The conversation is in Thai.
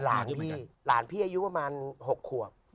หลานพี่หลานพี่อายุประมาณ๖ขวบ